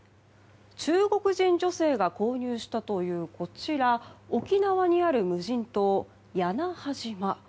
中国人女性が購入したというこちら沖縄にある無人島、屋那覇島。